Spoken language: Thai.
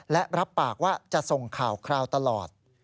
และรับปากว่าจะส่งข่าวคราวตลอด